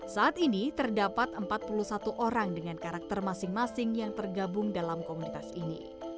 saat ini terdapat empat puluh satu orang dengan karakter masing masing yang tergabung dalam komunitas ini